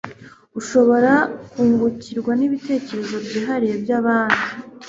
urashobora kungukirwa n'ibitekerezo byihariye by'abandi